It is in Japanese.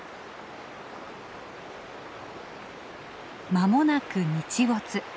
まもなく日没。